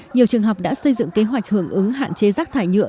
nhiều trường học đã xây dựng kế hoạch hưởng ứng hạn chế rác thải nhựa